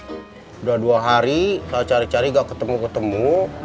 udah dua hari saya cari cari gak ketemu ketemu